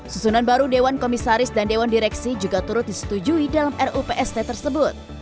susunan baru dewan komisaris dan dewan direksi juga turut disetujui dalam rupst tersebut